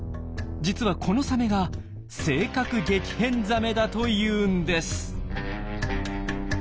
実はこのサメが「性格激変ザメ」だというんです。